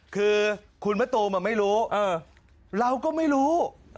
คือคุณมะตูมไม่รู้เราก็ไม่รู้